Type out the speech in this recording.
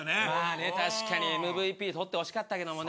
確かにＭＶＰ取ってほしかったけどもね。